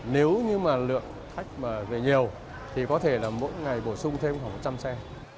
nếu như mà lượng khách mà về nhiều thì có thể là mỗi ngày bổ sung thêm khoảng một trăm linh xe